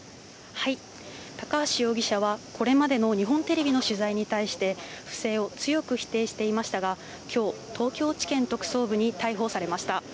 高橋容疑者は、これまでの日本テレビの取材に対して、不正を強く否定していましたが、きょう、東京地検特捜部に逮捕されました。